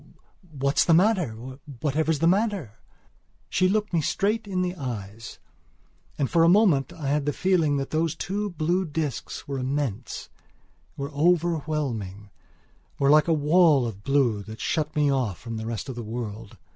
What's the matter? Whatever's the matter?" She looked me straight in the eyes; and for a moment I had the feeling that those two blue discs were immense, were overwhelming, were like a wall of blue that shut me off from the rest of the world.